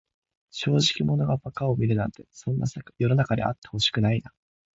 正直者が馬鹿を見るなんて、そんな世の中であってほしくないな。